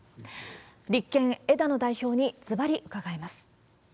立憲、枝野代表にずばり伺います。